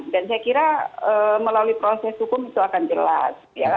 dan saya kira melalui proses hukum itu akan jelas